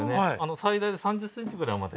最大で３０ｃｍぐらいまで。